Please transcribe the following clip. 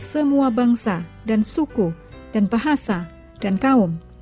semua bangsa dan suku dan bahasa dan kaum